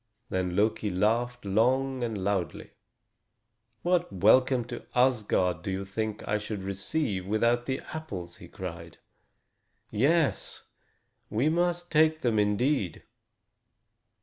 Then Loki laughed long and loudly. "What welcome to Asgard do you think I should receive without the apples?" he cried. "Yes, we must take them, indeed."